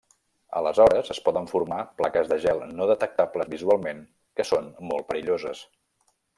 Aleshores es poden formar plaques de gel no detectables visualment que són molt perilloses.